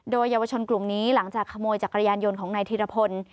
โดยเยาวชนกลุ่มนี้หลังจากขโมยจักรยานยนต์ของนายธีรพล